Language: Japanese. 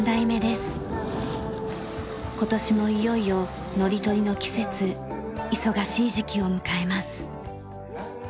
今年もいよいよ海苔取りの季節忙しい時期を迎えます。